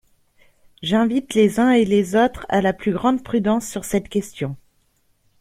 J’invite les uns et les autres à la plus grande prudence sur cette question.